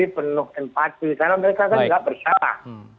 karena mereka kan tidak bersalah